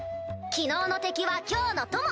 昨日の敵は今日の友！